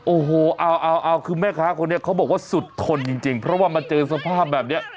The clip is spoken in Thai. โอ้โหเอาคือแม่ค้าคนนี้เขาบอกว่าสุดทนจริงเพราะว่ามาเจอสภาพแบบนี้